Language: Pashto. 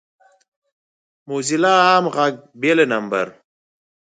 موزیلا عام غږ بې له نمبر